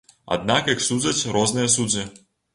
Аднак іх судзяць розныя суддзі.